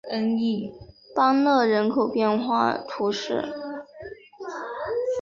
邦讷人口变化图示